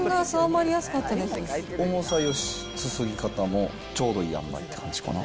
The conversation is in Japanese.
重さよし、注ぎ方もちょうどいい塩梅って感じかな。